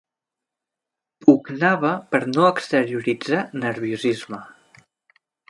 Pugnava per no exterioritzar nerviosisme.